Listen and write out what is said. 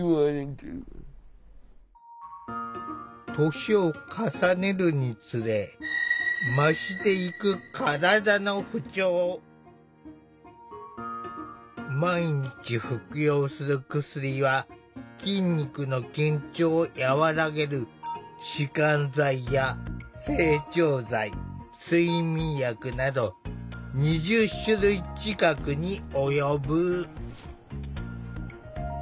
年を重ねるにつれ増していく毎日服用する薬は筋肉の緊張を和らげる弛緩剤や整腸剤睡眠薬など２０種類近くに及ぶ。